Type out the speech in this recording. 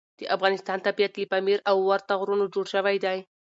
د افغانستان طبیعت له پامیر او ورته غرونو جوړ شوی دی.